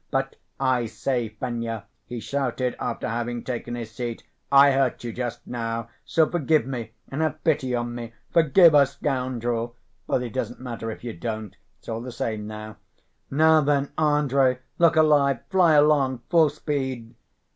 But I say, Fenya," he shouted, after having taken his seat. "I hurt you just now, so forgive me and have pity on me, forgive a scoundrel.... But it doesn't matter if you don't. It's all the same now. Now then, Andrey, look alive, fly along full speed!"